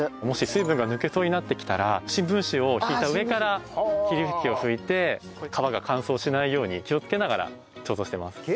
もし水分が抜けそうになってきたら新聞紙を敷いた上から霧吹きを吹いて皮が乾燥しないように気をつけながら貯蔵してます。